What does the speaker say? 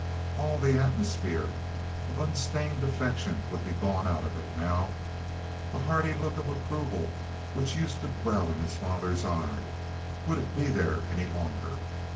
All the atmosphere of unstained affection would be gone out of it now. That hearty look of approval which used to dwell in his father's eye—would it be there any longer?